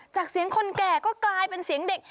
เสียงคนแก่ก็กลายเป็นเสียงเด็ก